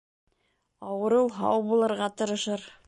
Ауырыу һау булырға тырышыр.